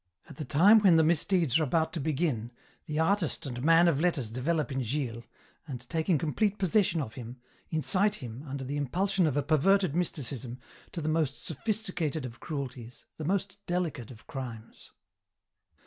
At the time when the misdeeds are about to begin, the artist and man of letters develop in Gilles and, taking complete possession of him, incite him, under the impulsion of a perverted mysticism, to the most sophisticated of cruelties, the most delicate of crimes.